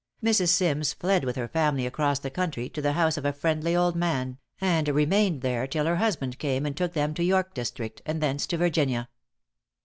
Mrs. Sims fled with her family across the country to the house of a friendly old man; and remained there till her husband came and took them to York District, and thence to Virginia.